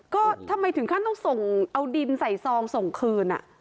ก็ทำไมถึงขั้นต้องส่งเอาดินใส่ซองส่งคืน